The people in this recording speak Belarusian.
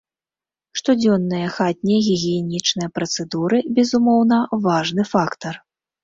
Штодзённыя хатнія гігіенічныя працэдуры, безумоўна, важны фактар.